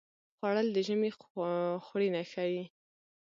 خوړل د ژمي خوړینه ښيي